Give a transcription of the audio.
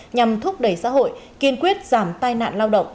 nhằm thúc đẩy xã hội kiên quyết giảm tai nạn lao động